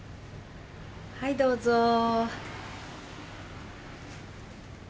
はいどうぞ。